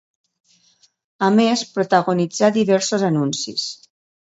A més protagonitzà diversos anuncis.